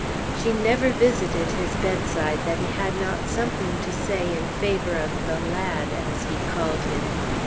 She never visited his bedside that he had not something to say in favor of the lad, as he called him.